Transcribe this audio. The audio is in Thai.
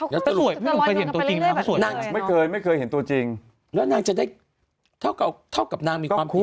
เขาคงไม่ค่อยเห็นตัวจริงนะมันก็สวยไปเลยนะไม่เคยเห็นตัวจริงแล้วนางจะได้เท่ากับนางมีความผิด